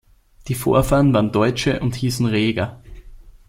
Die Vorfahren waren Deutsche und hießen "Reger".